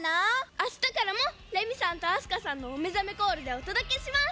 あしたからもレミさんと明日香さんのおめざめコールでおとどけします。